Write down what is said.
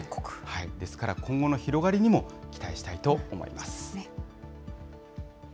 ですから今後の広がりにも期待したいと思います。